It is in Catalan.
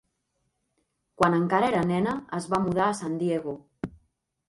Quan encara era nena, es va mudar a San Diego.